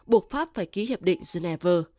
buộc pháp phải ký hiệp định geneva